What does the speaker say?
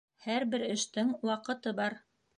Һәр бер эштең ваҡыты бар.